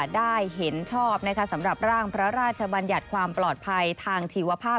ได้เห็นชอบสำหรับร่างพระราชบัญญัติความปลอดภัยทางชีวภาพ